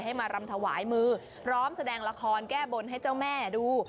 มารำถวายมือพร้อมแสดงละครแก้บนให้เจ้าแม่ดู